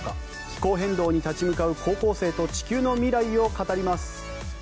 気候変動に立ち向かう高校生と地球の未来を語ります。